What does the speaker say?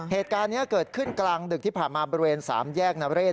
เหตุการณ์นี้เกิดขึ้นกลางดึกที่ผ่านมาบริเวณ๓แยกนเรศ